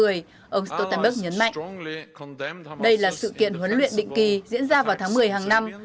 ông stoltenberg nhấn mạnh đây là sự kiện huấn luyện định kỳ diễn ra vào tháng một mươi hàng năm